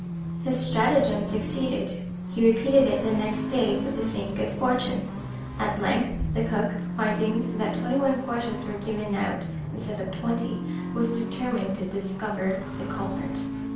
His stratagem succeeded. He repeated it the next day with the same good fortune. At length the cook, finding that twenty one portions were given out instead of twenty, was determined to discover the culprit.